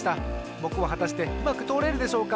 ぼくははたしてうまくとおれるでしょうか。